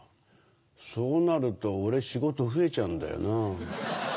そうなると俺仕事増えちゃうんだよな。